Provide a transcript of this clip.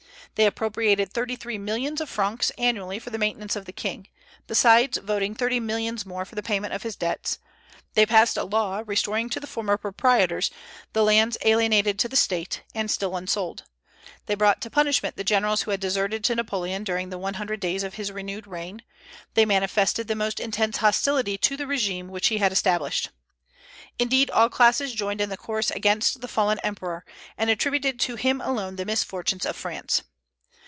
They appropriated thirty three millions of francs annually for the maintenance of the king, besides voting thirty millions more for the payment of his debts; they passed a law restoring to the former proprietors the lands alienated to the State, and still unsold. They brought to punishment the generals who had deserted to Napoleon during the one hundred days of his renewed reign; they manifested the most intense hostility to the régime which he had established. Indeed, all classes joined in the chorus against the fallen Emperor, and attributed to him alone the misfortunes of France.